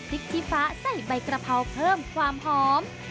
พริกขี้ฟ้าใส่ใบกระเพราเพิ่มความหอม